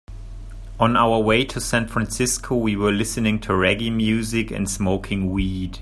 On our way to San Francisco, we were listening to reggae music and smoking weed.